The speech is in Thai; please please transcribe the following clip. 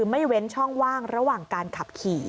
ไม่เว้นช่องว่างระหว่างการขับขี่